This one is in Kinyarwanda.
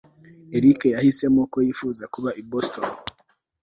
eric yahisemo ko yifuza kuba i boston